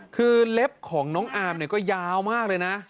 คือเล็บของน้องอาร์มเนี่ยก็ยาวมากเลยนะ